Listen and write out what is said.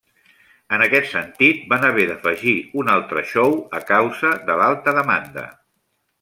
En aquest sentit, van haver d'afegir un altre show a causa de l'alta demanda.